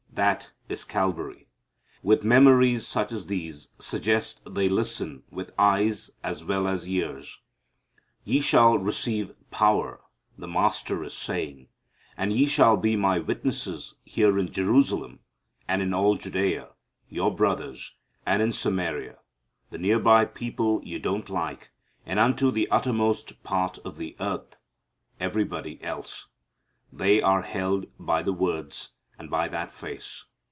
That is Calvary. With memories such as these suggest they listen with eyes as well as ears. "Ye shall receive power," the Master is saying, "and ye shall be My witnesses here in Jerusalem and in all Judea, your brothers, and in Samaria, the nearby people you don't like, and unto the uttermost part of the earth, everybody else." They are held by the words and by that face.